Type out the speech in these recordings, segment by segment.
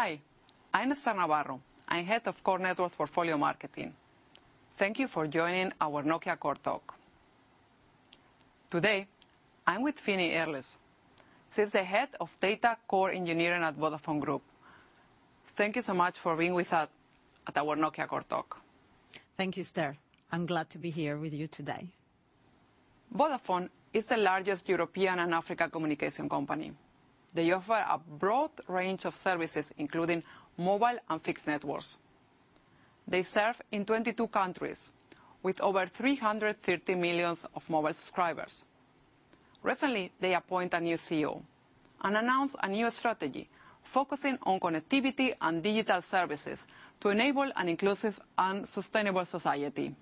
Hi, I'm Ester Navarro, I'm Head of Core Networks Portfolio Marketing. Thank you for joining our Nokia Real Talk. Today, I'm with Fini Irles, she's the Head of Data Core Engineering at Vodafone Group. Thank you so much for being with us at our Nokia Real Talk. Thank you, Ester. I'm glad to be here with you today. Vodafone is the largest European and African communication company. They offer a broad range of services, including mobile and fixed networks. They serve in 22 countries, with over 330 million mobile subscribers. Recently, they appointed a new CEO and announced a new strategy focusing on connectivity and digital services to enable an inclusive and sustainable society.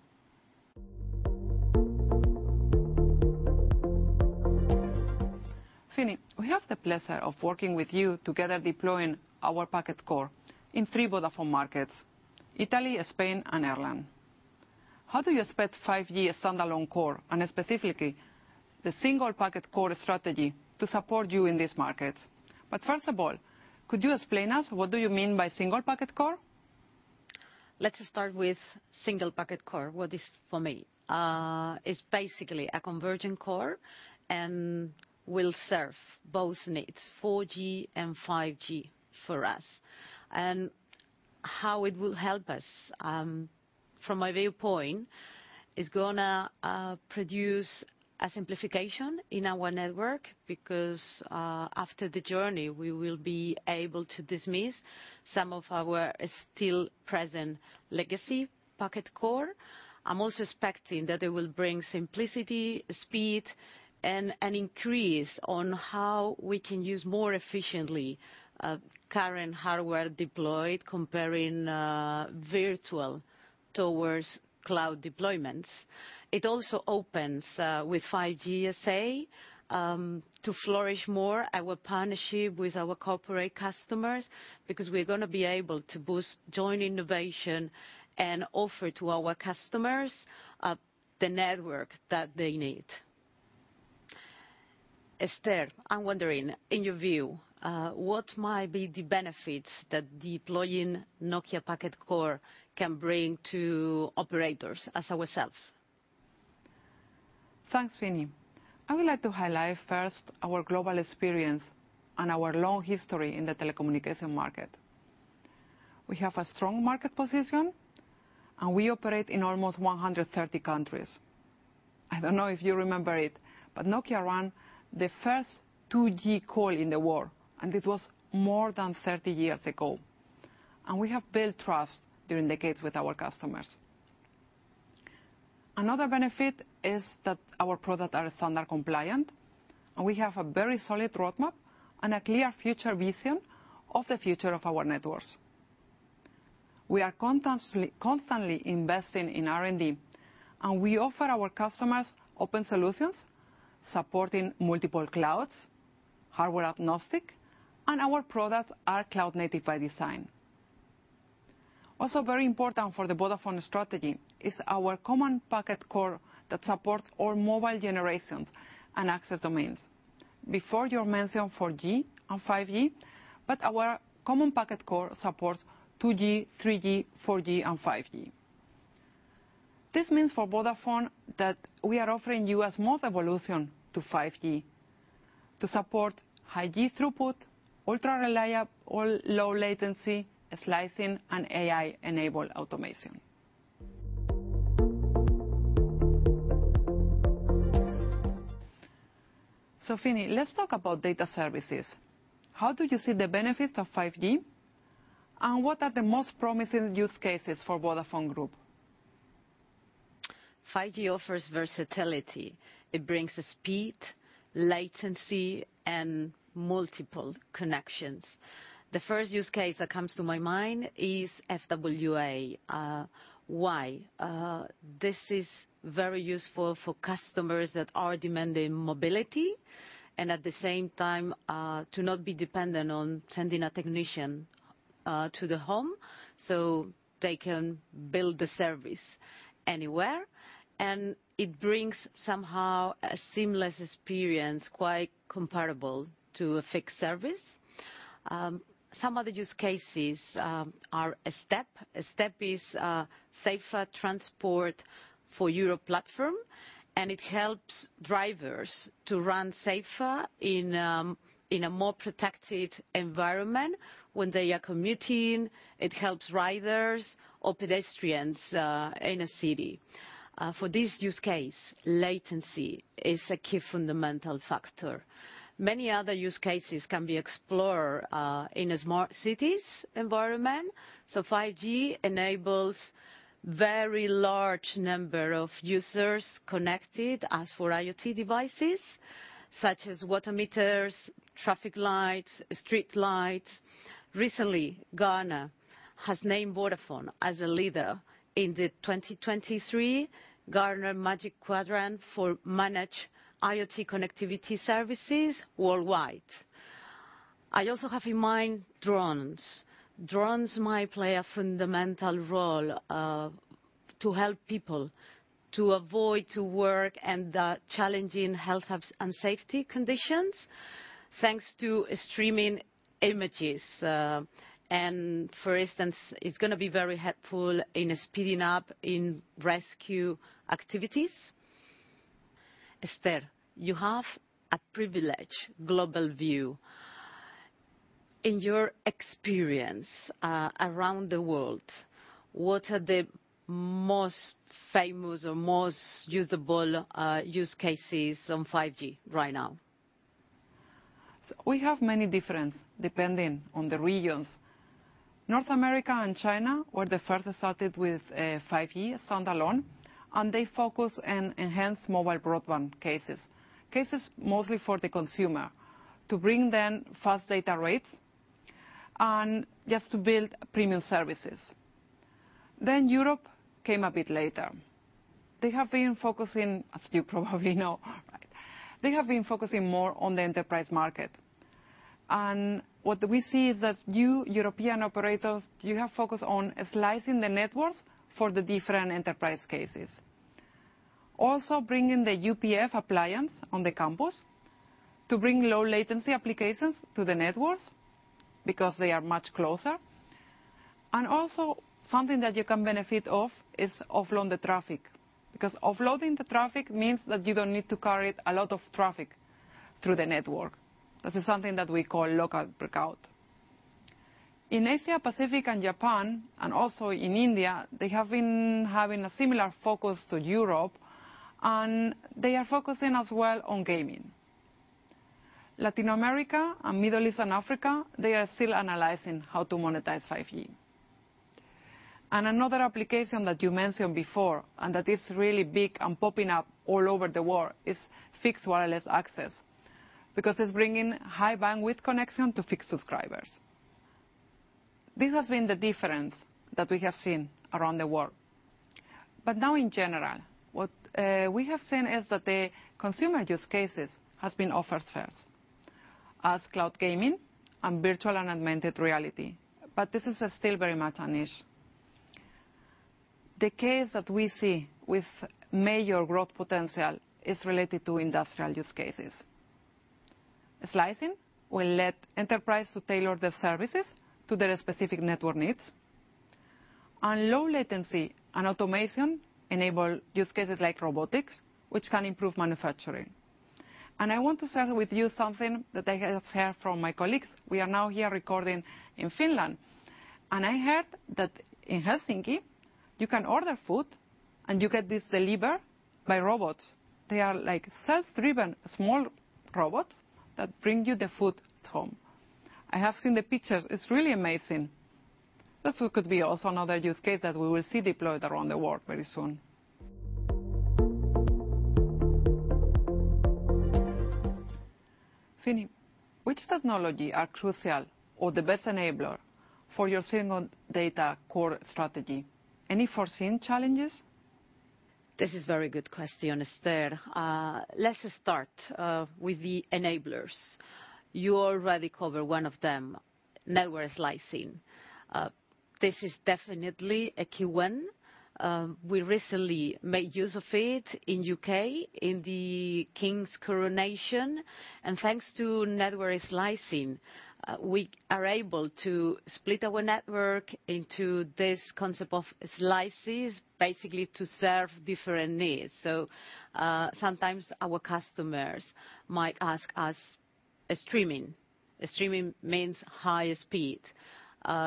Fini, we have the pleasure of working with you to get deploying our packet core in three Vodafone markets: Italy, Spain, and Ireland. How do you expect 5G Standalone Core, and specifically the Single Packet Core strategy, to support you in these markets? But first of all, could you explain to us what you mean by Single Packet Core? Let's start with Single Packet Core. What it is for me is basically a convergent core and will serve both needs: 4G and 5G for us. And how it will help us, from my viewpoint, is going to produce a simplification in our network because after the journey, we will be able to dismiss some of our still-present legacy packet core. I'm also expecting that it will bring simplicity, speed, and an increase in how we can use more efficiently current hardware deployed comparing virtual towards cloud deployments. It also opens with 5G SA to flourish more our partnership with our corporate customers because we're going to be able to boost joint innovation and offer to our customers the network that they need. Ester, I'm wondering, in your view, what might be the benefits that deploying Nokia Packet Core can bring to operators as ourselves? Thanks, Fini. I would like to highlight first our global experience and our long history in the telecommunications market. We have a strong market position, and we operate in almost 130 countries. I don't know if you remember it, but Nokia ran the first 2G call in the world, and this was more than 30 years ago. We have built trust during decades with our customers. Another benefit is that our products are standard compliant, and we have a very solid roadmap and a clear future vision of the future of our networks. We are constantly investing in R&D, and we offer our customers open solutions supporting multiple clouds, hardware agnostic, and our products are cloud-native by design. Also, very important for the Vodafone strategy is our common packet core that supports all mobile generations and access domains. Before, you mentioned 4G and 5G, but our common packet core supports 2G, 3G, 4G, and 5G. This means for Vodafone that we are offering you a small evolution to 5G to support high-throughput, ultra-reliable, low-latency slicing, and AI-enabled automation. So Fini, let's talk about data services. How do you see the benefits of 5G, and what are the most promising use cases for Vodafone Group? 5G offers versatility. It brings speed, latency, and multiple connections. The first use case that comes to my mind is FWA. Why? This is very useful for customers that are demanding mobility and, at the same time, to not be dependent on sending a technician to the home so they can build the service anywhere. And it brings somehow a seamless experience quite comparable to a fixed service. Some other use cases are STEP. STEP is Safer Transport for Europe Platform, and it helps drivers to run safer in a more protected environment when they are commuting. It helps riders or pedestrians in a city. For this use case, latency is a key fundamental factor. Many other use cases can be explored in a smart cities environment. 5G enables a very large number of users connected as for IoT devices such as water meters, traffic lights, street lights. Recently, Gartner has named Vodafone as a leader in the 2023 Gartner Magic Quadrant for Managed IoT Connectivity Services worldwide. I also have in mind drones. Drones might play a fundamental role to help people to avoid working in challenging health and safety conditions thanks to streaming images. For instance, it's going to be very helpful in speeding up rescue activities. Ester, you have a privileged global view. In your experience around the world, what are the most famous or most usable use cases on 5G right now? We have many different depending on the regions. North America and China were the first to start with 5G Standalone, and they focused on enhanced mobile broadband cases, cases mostly for the consumer to bring them fast data rates and just to build premium services. Then Europe came a bit later. They have been focusing, as you probably know, they have been focusing more on the enterprise market. And what we see is that you European operators, you have focused on slicing the networks for the different enterprise cases, also bringing the UPF appliance on the campus to bring low-latency applications to the networks because they are much closer. And also something that you can benefit from is offloading the traffic because offloading the traffic means that you don't need to carry a lot of traffic through the network. That is something that we call Local Breakout. In Asia Pacific and Japan, and also in India, they have been having a similar focus to Europe, and they are focusing as well on gaming. Latin America, Middle East, and Africa, they are still analyzing how to monetize 5G. Another application that you mentioned before and that is really big and popping up all over the world is Fixed Wireless Access because it's bringing high bandwidth connections to fixed subscribers. This has been the difference that we have seen around the world. Now, in general, what we have seen is that the consumer use cases have been offered first as cloud gaming and virtual and augmented reality. This is still very much a niche. The case that we see with major growth potential is related to industrial use cases. Slicing will let enterprises tailor their services to their specific network needs. Low latency and automation enable use cases like robotics, which can improve manufacturing. I want to share with you something that I have heard from my colleagues. We are now here recording in Finland. I heard that in Helsinki, you can order food, and you get this delivered by robots. They are self-driven small robots that bring you the food at home. I have seen the pictures. It's really amazing. That could be also another use case that we will see deployed around the world very soon. Fini, which technologies are crucial or the best enablers for your Single Packet Core strategy? Any foreseen challenges? This is a very good question, Ester. Let's start with the enablers. You already covered one of them, network slicing. This is definitely a key one. We recently made use of it in the UK in the King's Coronation. And thanks to network slicing, we are able to split our network into this concept of slices, basically to serve different needs. So sometimes our customers might ask us for streaming. Streaming means high speed.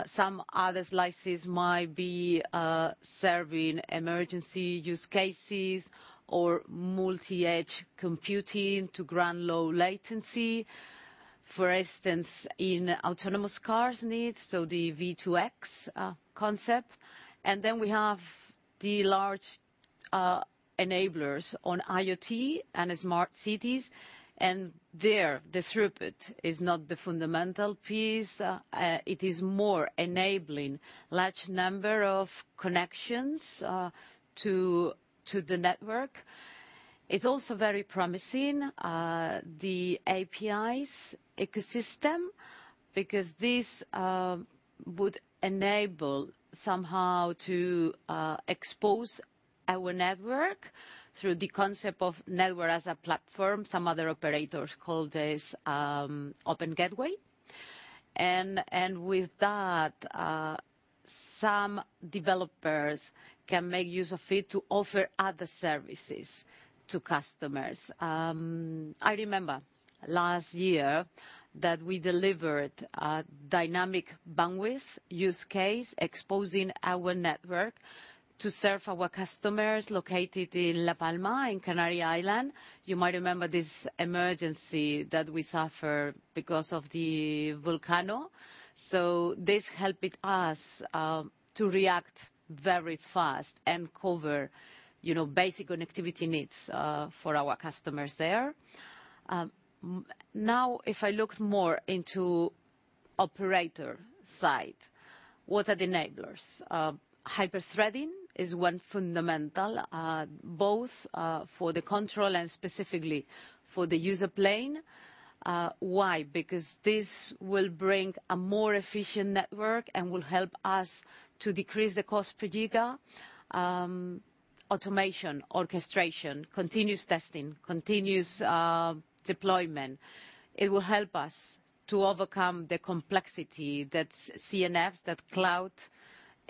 Some other slices might be serving emergency use cases or multi-access edge computing to grant low latency, for instance, in autonomous cars needs, so the V2X concept. And then we have the large enablers on IoT and smart cities. And there, the throughput is not the fundamental piece. It is more enabling a large number of connections to the network. It's also very promising, the APIs ecosystem, because this would enable somehow to expose our network through the concept of network as a platform. Some other operators call this Open Gateway. And with that, some developers can make use of it to offer other services to customers. I remember last year that we delivered a dynamic bandwidth use case exposing our network to serve our customers located in La Palma, in Canary Islands. You might remember this emergency that we suffered because of the volcano. So this helped us to react very fast and cover basic connectivity needs for our customers there. Now, if I look more into the operator side, what are the enablers? Hyper-threading is one fundamental, both for the control and specifically for the user plane. Why? Because this will bring a more efficient network and will help us to decrease the cost per giga. Automation, orchestration, continuous testing, continuous deployment. It will help us to overcome the complexity that CNFs, that cloud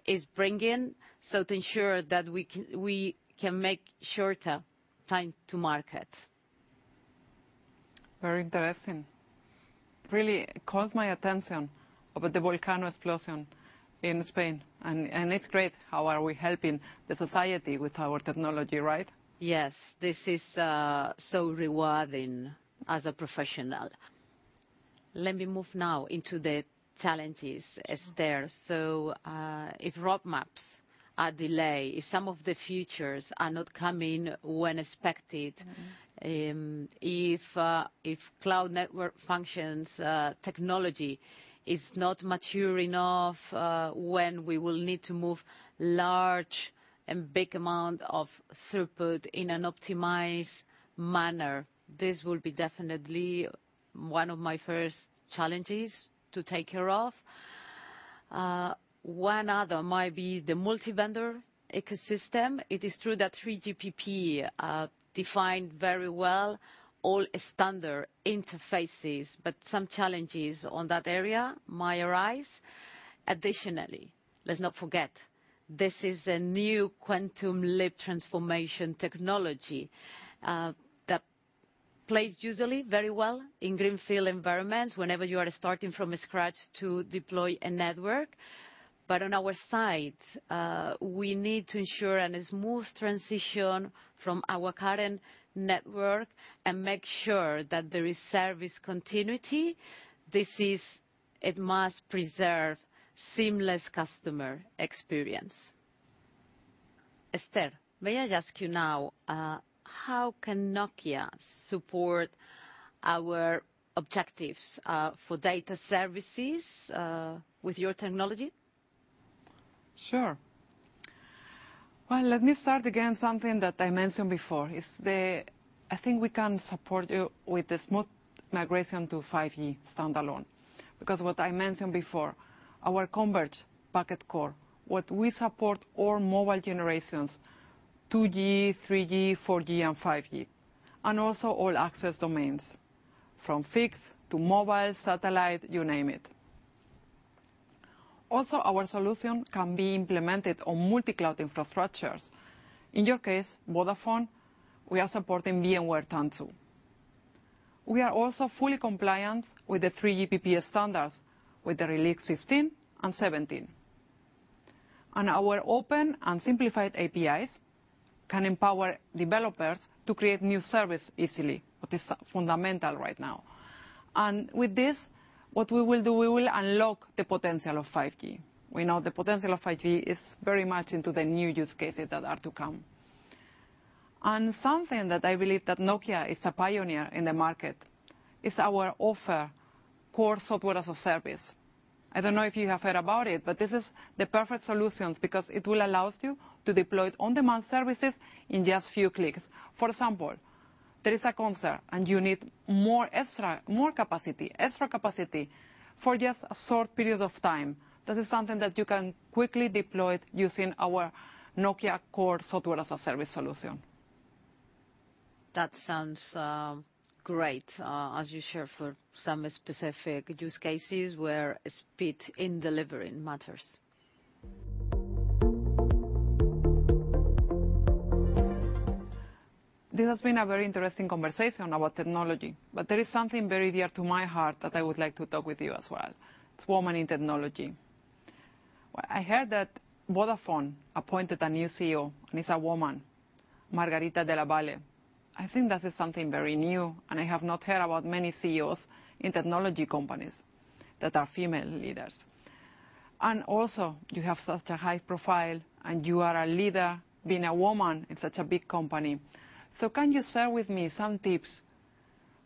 is bringing, so to ensure that we can make shorter time to market. Very interesting. Really caught my attention about the volcano explosion in Spain. It's great. How are we helping the society with our technology, right? Yes. This is so rewarding as a professional. Let me move now into the challenges, Ester. So if roadmaps are delayed, if some of the features are not coming when expected, if cloud network functions technology is not mature enough when we will need to move large and big amounts of throughput in an optimized manner, this will be definitely one of my first challenges to take care of. One other might be the multi-vendor ecosystem. It is true that 3GPP defined very well all standard interfaces, but some challenges on that area might arise. Additionally, let's not forget, this is a new quantum-leap transformation technology that plays usually very well in greenfield environments whenever you are starting from scratch to deploy a network. But on our side, we need to ensure a smooth transition from our current network and make sure that there is service continuity. It must preserve a seamless customer experience. Ester, may I ask you now, how can Nokia support our objectives for data services with your technology? Sure. Well, let me start again with something that I mentioned before. I think we can support you with a smooth migration to 5G Standalone because what I mentioned before, our converged packet core, what we support all mobile generations, 2G, 3G, 4G, and 5G, and also all access domains from fixed to mobile, satellite, you name it. Also, our solution can be implemented on multi-cloud infrastructures. In your case, Vodafone, we are supporting VMware Tanzu. We are also fully compliant with the 3GPP standards with the Release 16 and 17. And our open and simplified APIs can empower developers to create new services easily, which is fundamental right now. And with this, what we will do, we will unlock the potential of 5G. We know the potential of 5G is very much into the new use cases that are to come. Something that I believe that Nokia is a pioneer in the market is our offering Core Software as a Service. I don't know if you have heard about it, but this is the perfect solution because it will allow you to deploy on-demand services in just a few clicks. For example, there is a concert, and you need more capacity, extra capacity for just a short period of time. This is something that you can quickly deploy using our Nokia Core Software as a Service solution. That sounds great, as you shared, for some specific use cases where speed in delivering matters. This has been a very interesting conversation about technology. But there is something very dear to my heart that I would like to talk with you as well. It's women in technology. I heard that Vodafone appointed a new CEO, and it's a woman, Margherita Della Valle. I think that is something very new. And I have not heard about many CEOs in technology companies that are female leaders. And also, you have such a high profile, and you are a leader being a woman in such a big company. So can you share with me some tips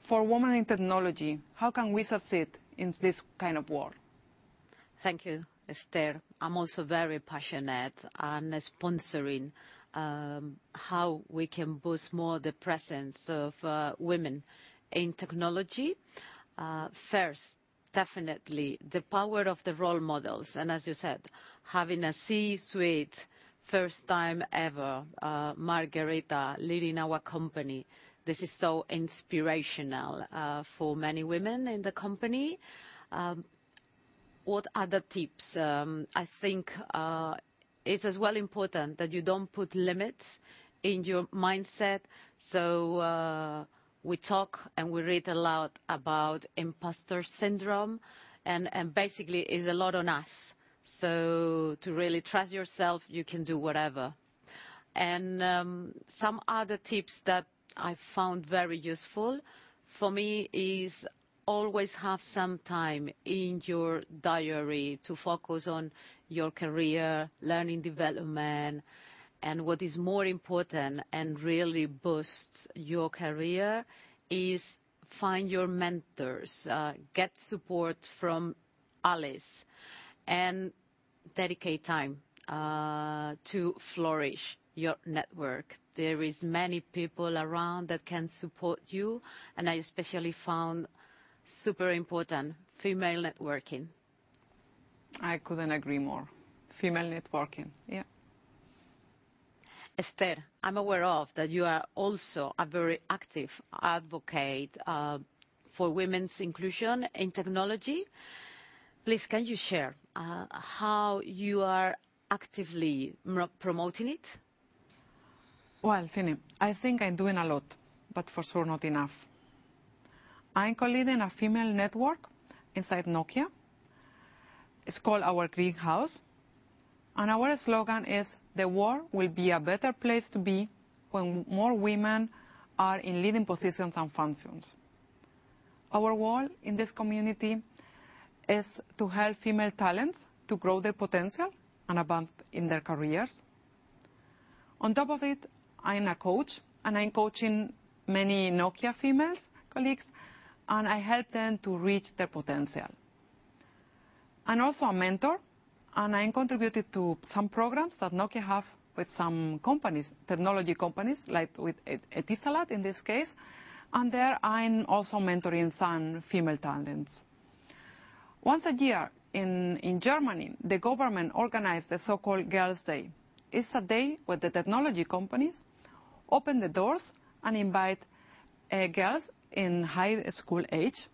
for women in technology? How can we succeed in this kind of world? Thank you, Ester. I'm also very passionate about sponsoring how we can boost more the presence of women in technology. First, definitely the power of the role models. And as you said, having a C-suite first time ever, Margherita leading our company, this is so inspirational for many women in the company. What other tips? I think it's as well important that you don't put limits in your mindset. So we talk and we read a lot about imposter syndrome. And basically, it's a lot on us. So to really trust yourself, you can do whatever. And some other tips that I found very useful for me are always having some time in your diary to focus on your career, learning, development. And what is more important and really boosts your career is finding your mentors. Get support from allies and dedicate time to flourish your network. There are many people around that can support you. I especially found super important female networking. I couldn't agree more. Female networking, yeah. Ester, I'm aware of that you are also a very active advocate for women's inclusion in technology. Please, can you share how you are actively promoting it? Well, Fini, I think I'm doing a lot, but for sure not enough. I'm co-leading a female network inside Nokia. It's called our Greenhouse. And our slogan is, "The world will be a better place to be when more women are in leading positions and functions." Our goal in this community is to help female talents to grow their potential and advance in their careers. On top of it, I'm a coach. And I'm coaching many Nokia female colleagues. And I help them to reach their potential. I'm also a mentor. And I contributed to some programs that Nokia has with some technology companies, like with Etisalat in this case. And there, I'm also mentoring some female talents. Once a year in Germany, the government organizes the so-called Girls' Day. It's a day where the technology companies open the doors and invite girls in high school age.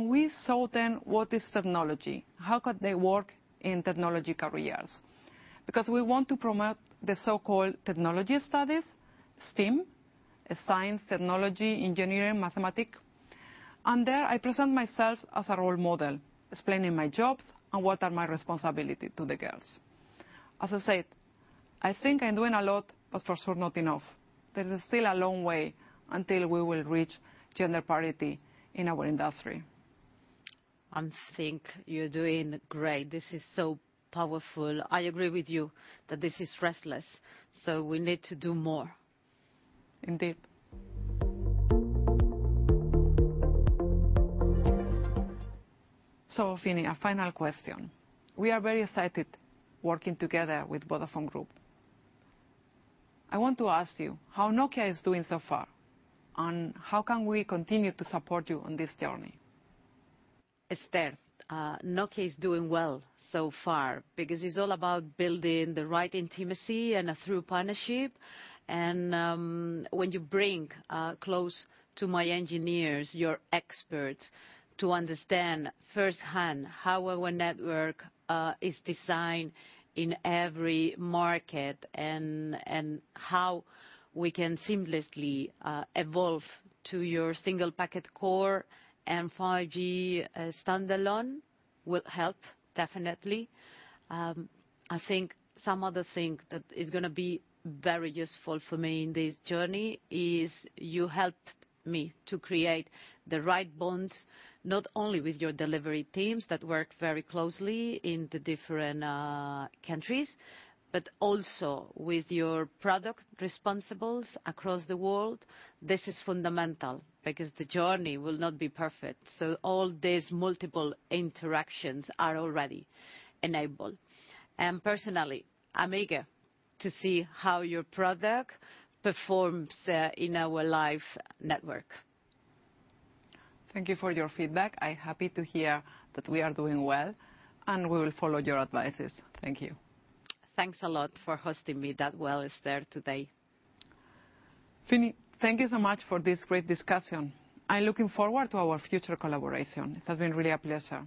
We show them what is technology, how could they work in technology careers, because we want to promote the so-called technology studies, STEM, science, technology, engineering, mathematics. There, I present myself as a role model, explaining my jobs and what are my responsibilities to the girls. As I said, I think I'm doing a lot, but for sure not enough. There is still a long way until we will reach gender parity in our industry. I think you're doing great. This is so powerful. I agree with you that this is restless. We need to do more. Indeed. So, Fini, a final question. We are very excited working together with Vodafone Group. I want to ask you how Nokia is doing so far, and how can we continue to support you on this journey? Ester, Nokia is doing well so far because it's all about building the right intimacy and a true partnership. When you bring close to my engineers, your experts, to understand firsthand how our network is designed in every market and how we can seamlessly evolve to your Single Packet Core and 5G Standalone, it will help, definitely. I think some other thing that is going to be very useful for me in this journey is you helped me to create the right bonds not only with your delivery teams that work very closely in the different countries, but also with your product responsibles across the world. This is fundamental because the journey will not be perfect. All these multiple interactions are already enabled. Personally, I'm eager to see how your product performs in our live network. Thank you for your feedback. I'm happy to hear that we are doing well. We will follow your advice. Thank you. Thanks a lot for hosting me that well, Ester, today. Fini, thank you so much for this great discussion. I'm looking forward to our future collaboration. It has been really a pleasure.